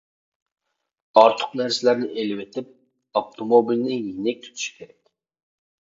ئارتۇق نەرسىلەرنى ئېلىۋېتىپ، ئاپتوموبىلنى يېنىك تۇتۇش كېرەك.